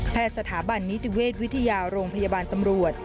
สถาบันนิติเวชวิทยาโรงพยาบาลตำรวจ